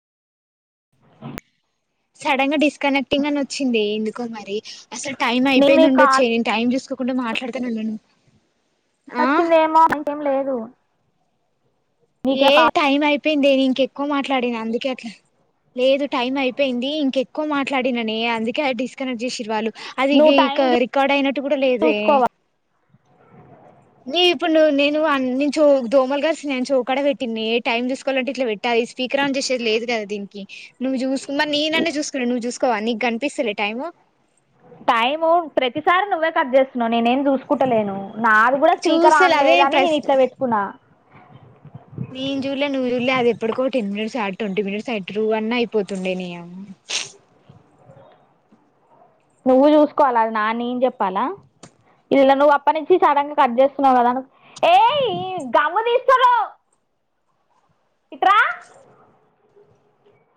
[inaudible] Sudden గా disconnecting అని వొచ్చిందే ఎందుకో మరి అసలు టైం నేను మీ అయిపోయింది కాల్ ఉండొచ్చే నేను టైం జూసుకో కుండా మాట్లాడుతానే ఉన్నన్ నచ్చిందేమో అంతేం లేదు నీకే ఏ కాల్ టైం అయిపోయిందే ఇంకెక్కువ మాట్లాడిన అందుకే అట్లా లేదు టైం అయిపోయింది ఇంకెక్కువ మాట్లాడిననే అందుకే డిస్కనెక్ట్ చేశింరు వాళ్ళు. అది ఇగ నువ్వు ఇక టైం రికార్డ్ అయినట్టు గూడా లేదే చూసుకోవాలి నీ ఇప్పుడును నేను ఆనించు దోమల్గరిసిన్నాయ్ చూ. అక్కడ పెట్టింది ఏ టైమ్ చూసుకోవలంటే ఇట్లా పెట్టాలి స్పీకర్ ఆన్ చేసేది లేదుగా దిన్కి నువ్వు చూస్. ఉమ్ మరి నేనన్న చూస్కున్న నువ్వు చూస్కోవా నీకు కనిపిస్తలే టైము. టైము ప్రతిసారి నువ్వే కట్చేస్తున్నావ్ నేనేం. చూస్కుట్టలేను నాది గుడా స్పీకర్ చూస్తలే అదే ఆన్లేదని నేను ఇట్ల పెట్టుకున్నా. నేన్చూడ్లే నువ్వు చూడ్లే అది ఎప్పుడ్కో ten minutes and twenty minutes and [unintelligible] అన్నా అయిపోతుండే నియమ్మ్. ప్చ్. నువ్వు చూసుకోవాలా ఆహ్ నానీం చెప్పాలా. ఇది ఇలా నువ్వు అప్పట్నుంచి సడన్గా కట్ చేస్తున్నావు కదా నువ్వు. తీస్తరో. ఇటూరా.